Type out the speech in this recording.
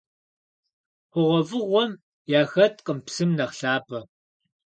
ХъугъуэфӀыгъуэм яхэткъым псым нэхъ лъапӀэ.